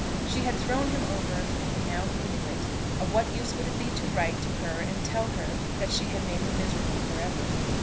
She had thrown him over, and now he knew it. Of what use would it be to write to her and tell her that she had made him miserable for ever?